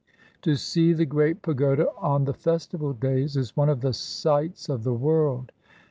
To see the great pagoda on the festival days is one of the sights of the world.